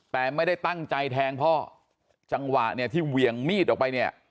แต่ไม่ได้ตั้งใจแทงพ่อจังหวะเนี่ยที่เหวี่ยงมีดออกไปเนี่ย